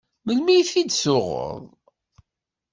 Melmi i t-id-tuɣeḍ?